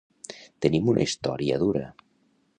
Tenim una història dura.